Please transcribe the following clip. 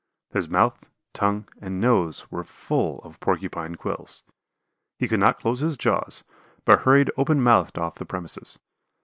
His mouth, tongue, and nose were full of Porcupine quills. He could not close his jaws, but hurried open mouthed off the premises.